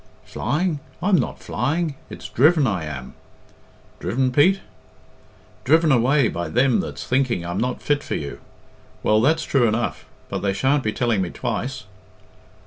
"Flying? I'm not flying. It's driven I am." "Driven, Pete?" "Driven away by them that's thinking I'm not fit for you. Well, that's true enough, but they shan't be telling me twice."